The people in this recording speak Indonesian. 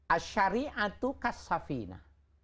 as syariatu kas safina